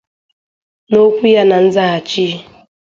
N'okwu ya na nzaghachi